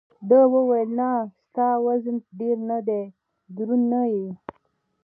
ده وویل: نه، ستا وزن ډېر نه دی، دروند نه یې.